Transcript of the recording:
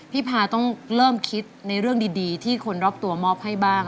พาต้องเริ่มคิดในเรื่องดีที่คนรอบตัวมอบให้บ้าง